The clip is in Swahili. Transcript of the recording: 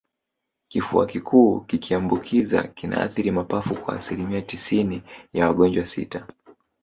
Kifua kikuu kikiambukiza kinaathiri mapafu kwa asilimia tisini ya wagonjwa sita